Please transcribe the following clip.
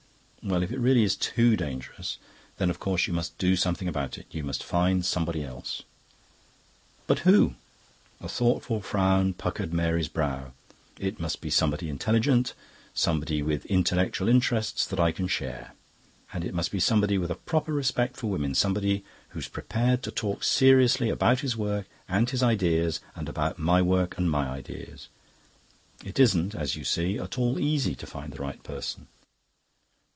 "Well, if it really is TOO dangerous, then of course you must do something about it; you must find somebody else." "But who?" A thoughtful frown puckered Mary's brow. "It must be somebody intelligent, somebody with intellectual interests that I can share. And it must be somebody with a proper respect for women, somebody who's prepared to talk seriously about his work and his ideas and about my work and my ideas. It isn't, as you see, at all easy to find the right person."